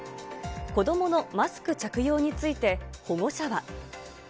子どものマスク着用について、保護者は。